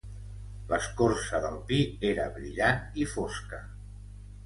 L'escorça del pi era brillant i fosca.